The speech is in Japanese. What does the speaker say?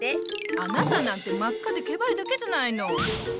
あなたなんて真っ赤でケバいだけじゃないの。